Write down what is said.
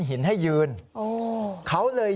หินให้ยืนเขาเลย